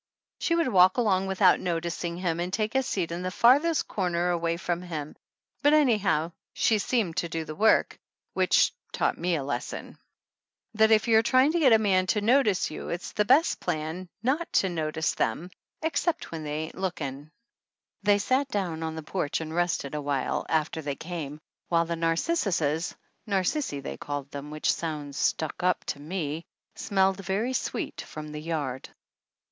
She would walk along without noticing him and take a seat in the farthest corner away from him, but anyhow she seemed to do the work, which taught me a lesson ; that if you're trying to get a man to notice you it is the best plan not to no tice them except when, they ain't looking. 126 THE ANNALS OF ANN They sat down on the porch and rested a while after they came while the narcissuses (narcissi they called them, which sounds stuck up to me) smelled very sweet from the yard.